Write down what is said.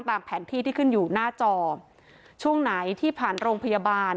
ตามแผนที่ที่ขึ้นอยู่หน้าจอช่วงไหนที่ผ่านโรงพยาบาล